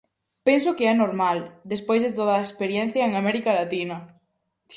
Penso que é normal, despois de toda a experiencia en América Latina.